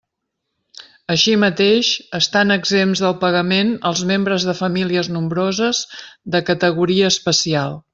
Així mateix, estan exempts del pagament els membres de famílies nombroses de categoria especial.